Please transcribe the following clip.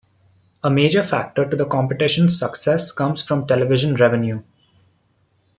A major factor to the competition's success comes from television revenue.